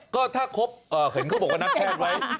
ก็ถ้าครบเห็นเขาบอกว่านัดแพทย์ไว้